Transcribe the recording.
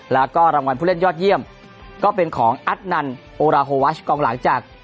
แล้วก็รางวัลผู้เล่นยอดเยี่ยมก็เป็นของอัตนันโอราโฮวัชกองหลังจาก